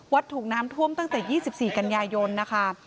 ถูกน้ำท่วมตั้งแต่๒๔กันยายนนะคะ